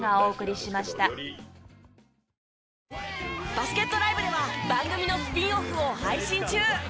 バスケットＬＩＶＥでは番組のスピンオフを配信中。